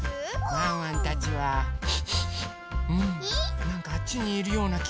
ワンワンたちはなんかあっちにいるようなきがする。